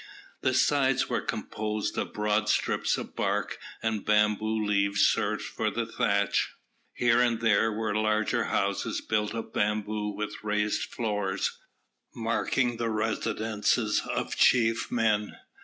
The sides were composed of broad strips of bark, and bamboo leaves served for the thatch. Here and there were larger houses built of bamboo, with raised floors, marking the residences of chief men.